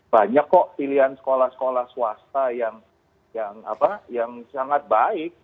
banyak kok pilihan sekolah sekolah swasta yang sangat baik